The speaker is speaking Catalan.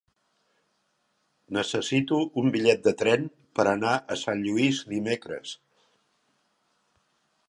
Necessito un bitllet de tren per anar a Sant Lluís dimecres.